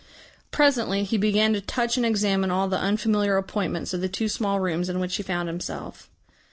Presently he began to touch and examine all the unfamiliar appointments of the two small rooms in which he found himself.